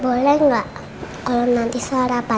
boleh nggak kalau nanti sarah paham